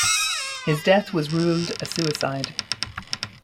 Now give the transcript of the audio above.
His death was ruled a suicide.